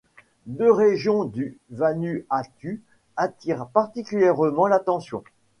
Deux régions du Vanuatu attirent particulièrement l’attention.